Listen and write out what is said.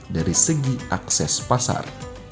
dari segi akses pasar